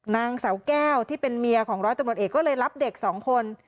นางสาวแก้วที่เป็นเมียของร้อยตำรวจเอกก็เลยรับเด็กสองคน